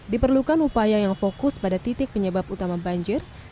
diperlukan upaya yang fokus pada titik penyebab utama banjir